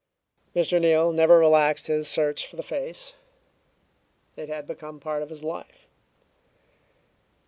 Mr. Neal never relaxed his search for the face; it had become a part of his life.